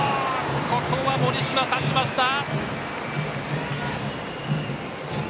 ここは盛島が刺しました。